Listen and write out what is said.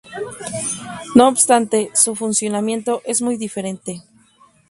No obstante, su funcionamiento es muy diferente.